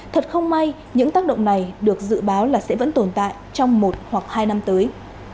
thật không may những tác động này được dự báo là sẽ vẫn tồn tại trong một hoặc hai năm tới